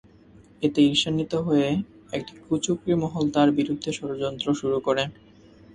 এতে ঈর্ষান্বিত হয়ে একটি কুচক্রী মহল তাঁর বিরুদ্ধে ষড়যন্ত্র শুরু করে।